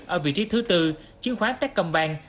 ở vị trí thứ tư chiến khoán techcombank